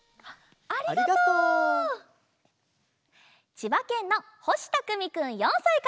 ちばけんのほしたくみくん４さいから。